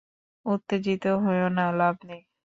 উত্তেজিত হয়ো না, লাভ নেই।